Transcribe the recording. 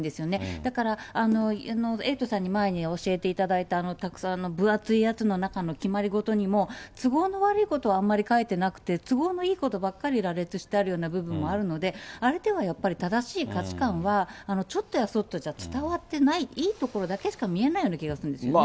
だから、エイトさんに前に教えていただいたたくさんの分厚いやつの中の決まり事にも、都合の悪いことはあまり書いてなくて、都合のいいことばっかり羅列してある部分があるので、あれではやっぱり正しい価値観は、ちょっとやそっとじゃ伝わってない、いいところだけしか見えない気がするんですよね。